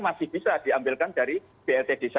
masih bisa diambilkan dari blt desa